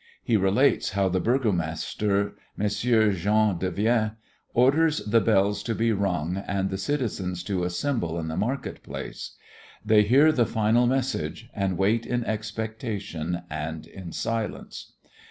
He relates how the burgomaster, Messire Jean de Vienne, orders the bells to be rung and the citizens to assemble in the market place. They hear the final message and wait in expectation and in silence.